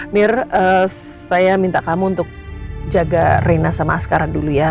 mir saya minta kamu untuk jaga rina sama askara dulu ya